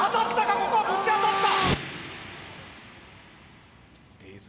ここはぶち当たった！